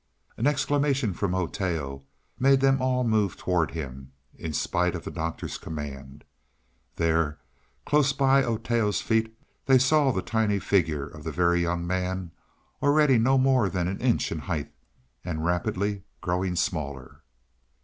An exclamation from Oteo made them all move towards him, in spite of the Doctor's command. There, close by Oteo's feet, they saw the tiny figure of the Very Young Man, already no more than an inch in height, and rapidly growing smaller.